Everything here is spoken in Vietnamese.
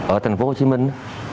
ở thành phố hồ chí minh